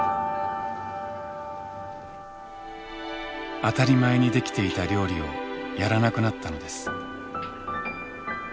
当たり前にできていた料理をやらなくなったのです。